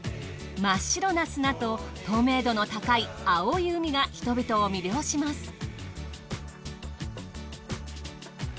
真っ白な砂と透明度の高い青い海が人々を魅了します。